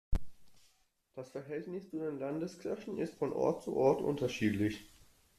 Das Verhältnis zu den Landeskirchen ist von Ort zu Ort unterschiedlich.